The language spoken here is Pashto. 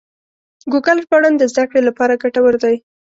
ګوګل ژباړن د زده کړې لپاره ګټور دی.